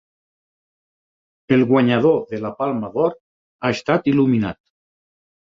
El guanyador de la Palma d'Or ha estat il·luminat.